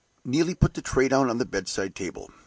Neelie put the tray down on the bedside table.